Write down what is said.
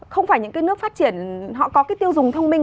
không phải những cái nước phát triển họ có cái tiêu dùng thông minh